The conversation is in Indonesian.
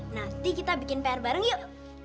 nanti kita bikin pr bareng yuk